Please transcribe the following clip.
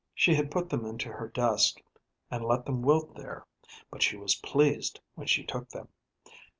She had put them into her desk, and let them wilt there, but she was pleased when she took them.